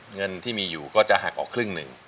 เงินที่มีอยู่ก็จะหักออกครึ่งหนึ่ง